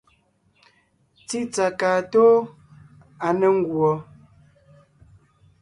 Tsítsà kaa tóo, à ne ńguɔ.